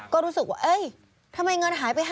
ก็รู้สึกว่าเอ๊ยทำไมเงินหายไป๕๐๐๐๐อ่ะ